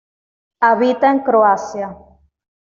Habita en Croacia.